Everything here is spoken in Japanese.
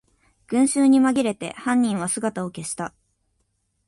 群集にまぎれて犯人は姿を消した